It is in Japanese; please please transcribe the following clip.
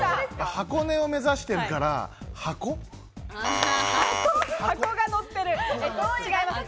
箱根を目指してるから、違います。